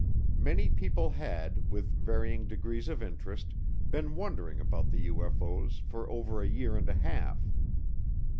Many people had, with varying degrees of interest, been wondering about the UFO's for over a year and a half.